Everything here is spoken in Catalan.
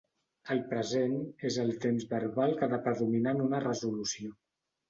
El present és el temps verbal que ha de predominar en una resolució.